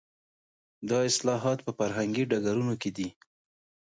دا اصلاحات په فرهنګي ډګرونو کې دي.